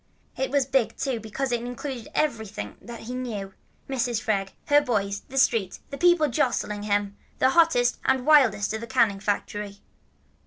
It was big, too, because it included everything that he knew, Mrs. Freg, her boys, the street, the people jostling him, and hottest and wildest of all the canning factory.